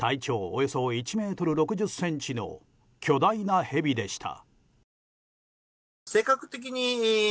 およそ１ｍ６０ｃｍの巨大なヘビでした。